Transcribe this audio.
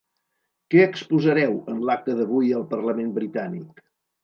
Què exposareu en l’acte d’avui al parlament britànic?